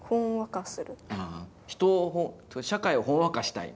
人を社会をほんわかしたい？